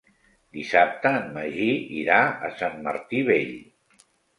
Dissabte en Magí irà a Sant Martí Vell.